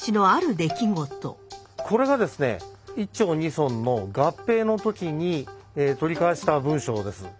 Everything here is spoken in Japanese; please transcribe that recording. これがですね一町二村の合併の時に取り交わした文書です。